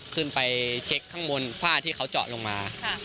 ขึ้นไปเช็คข้างบนฝ้าที่เขาเจาะลงมา